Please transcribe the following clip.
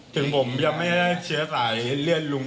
ถึงผมยังไม่สนายเลือดลุง